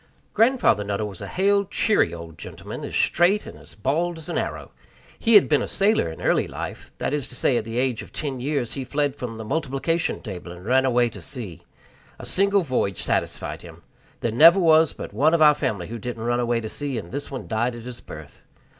Grandfather Nutter was a hale, cheery old gentleman, as straight and as bald as an arrow. He had been a sailor in early life; that is to say, at the age of ten years he fled from the multiplication table, and ran away to sea. A single voyage satisfied him. There never was but one of our family who didn't run away to sea, and this one died at his birth.